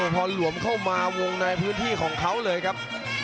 พอหลวมเข้ามาวงในพื้นที่ของเขาเลยครับ